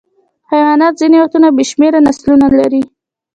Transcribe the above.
حیوانات ځینې وختونه بې شمېره نسلونه لري.